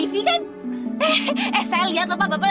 eh saya lihat bapak lagi sama keluarganya lagi di wawancara ini kan